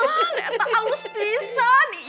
nih enggak alus bisa nih